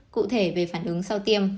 cụ thể về phản ứng sau tiêm